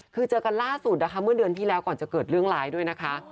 คือเจอกันล่าสุดนะคะเมื่อเดือนที่แล้วก่อนจะเกิดเรื่องร้ายด้วยนะคะ